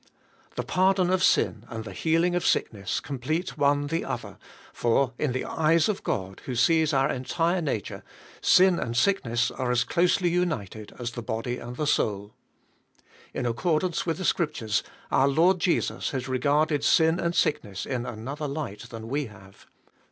The pardon of., sin and . the _ heating., of sickness eompl.ete„one the other, for in the eyes of God, who sees our entire nature, sin and sickness are as closely united as the body and the__8oaL_ In accordance with the Scriptures, our Lord Jesus has regarded sin and sickness in another light than we have.